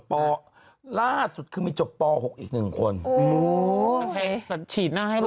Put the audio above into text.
ปล่าสุดคือมีจบป๖อีก๑คนโอ้โหแต่ฉีดหน้าให้ลูกค้า